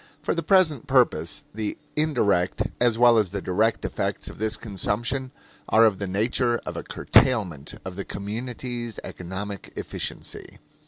For the present purpose, the indirect as well as the direct effects of this consumption are of the nature of a curtailment of the community's economic efficiency.